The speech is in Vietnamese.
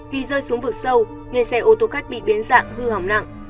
vì rơi xuống vực sâu nên xe ô tô khách bị biến dạng hư hỏng nặng